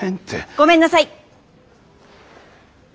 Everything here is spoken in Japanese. ごめんなさい。